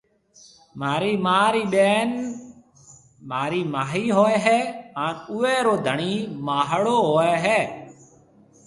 مهارِي مان رِي ٻين مهارِي ماهِي هوئيَ هيََ هانَ اوئيَ رو ڌڻِي ماهڙو هوئيَ هيَ۔